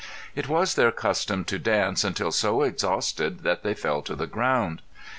It was their custom to dance until so exhausted that they fell to the ground.